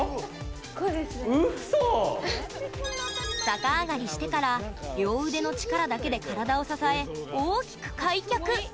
逆上がりしてから両腕の力だけで体を支え大きく開脚。